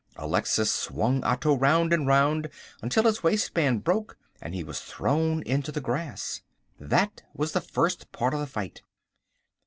Alexis swung Otto round and round until his waistband broke, and he was thrown into the grass. That was the first part of the fight.